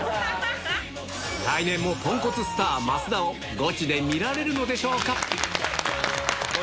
来年もポンコツスター、増田を、ゴチで見られるのでしょうか。